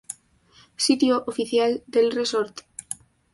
Sitio Oficial del Resort